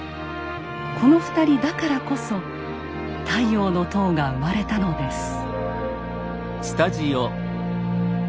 この２人だからこそ「太陽の塔」が生まれたのです。